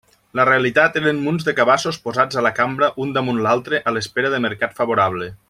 La realitat eren munts de cabassos posats a la cambra un damunt l'altre a l'espera de mercat favorable.